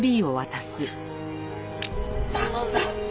頼んだ！